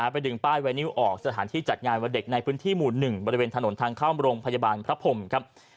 ไปดึงป้ายไวนิวออกสถานที่จัดงานวันเด็กในพื้นที่หมู่๑บริเวณถนนทางเข้าโรงพยาบาลพระพรมครับ